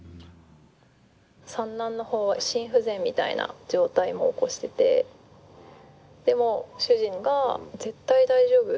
三男の方は心不全みたいな状態も起こしててでも主人が「絶対大丈夫。